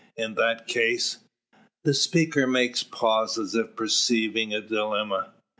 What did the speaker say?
In that case " The speaker makes pause, as if perceiving a dilemma.